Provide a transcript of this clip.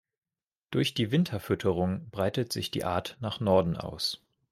Durch die Winterfütterung breitet sich die Art nach Norden aus.